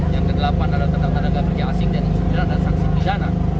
yang ke delapan adalah tentang tenaga kerja asing dan insumirah dan saksi pidana